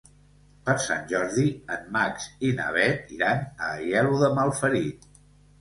Per Sant Jordi en Max i na Bet iran a Aielo de Malferit.